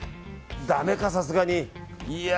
だめかさすがに。